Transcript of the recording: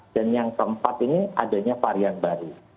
dan yang keempat ini adanya varian baru